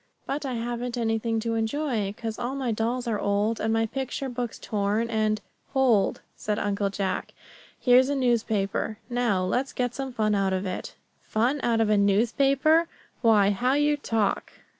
"But I haven't anything to enjoy; 'cause all my dolls are old, and my picture books all torn, and " "Hold," said Uncle Jack; "here's a newspaper. Now let's get some fun out of it." "Fun out of a newspaper! Why, how you talk."